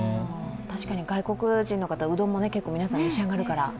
確かに外国人の方、うどんも結構召し上がるから。